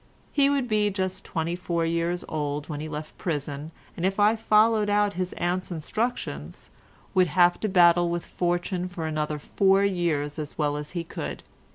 He would be just twenty four years old when he left prison, and if I followed out his aunt's instructions, would have to battle with fortune for another four years as well as he could.